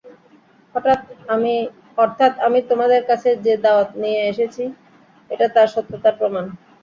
অর্থাৎ আমি তোমাদের কাছে যে দাওয়াত নিয়ে এসেছি এটা তার সত্যতার প্রমাণ।